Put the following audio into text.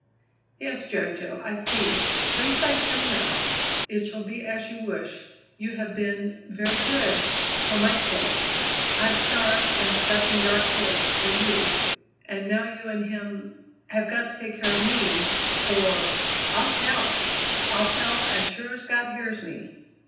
"Yes, Jerry Jo, I see. Please lie still now. It shall be as you wish. You have been very good for my sake!" "I've starved and slept in dark holes for you, and now you and him have got to take care of me or I'll tell! I'll tell, as sure as God hears me!"